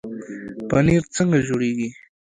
پنیر څنګه جوړیږي؟